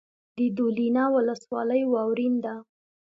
د دولینه ولسوالۍ واورین ده